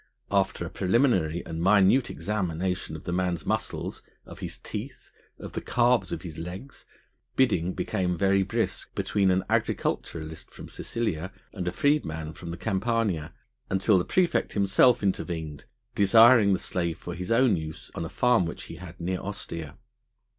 After a preliminary and minute examination of the man's muscles, of his teeth, of the calves of his legs, bidding became very brisk between an agriculturist from Sicilia and a freedman from the Campania, until the praefect himself intervened, desiring the slave for his own use on a farm which he had near Ostia.